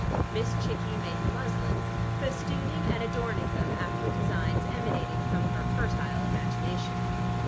Miss Chickie made the muslins, festooning and adorning them after designs emanating from her fertile imagination.